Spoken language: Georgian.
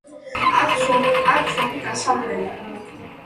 აქვს ორი გასასვლელი.